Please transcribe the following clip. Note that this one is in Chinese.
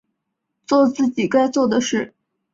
作自己该做的事